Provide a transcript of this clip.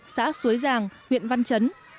xã suối giàng huyện văn chấn